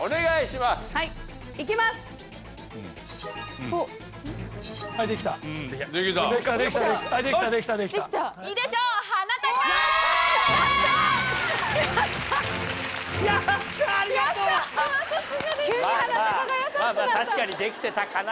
まあまあ確かにできてたかな。